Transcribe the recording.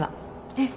ええ。